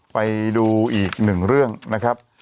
อ๋อไปดูอีก๑เรื่องนะครับ